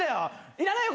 いらねえよ